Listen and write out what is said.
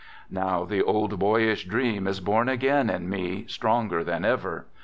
... Now the old boyish dream is born again in me stronger than ever.